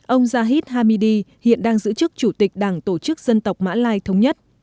ông jahid hamidi hiện đang giữ chức chủ tịch đảng tổ chức dân tộc mã lai thống nhất